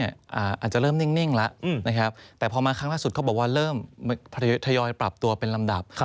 อันนี้นักทุนก็คาดการณ์ว่า